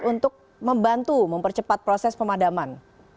untuk membantu mempercepat proses pemadaman